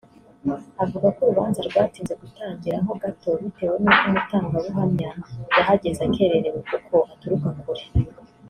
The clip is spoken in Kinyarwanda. avuga ko urubanza rwatinze gutangira ho gato bitewe n’uko Umutangabuhamya yahageze akererewe kuko aturuka kure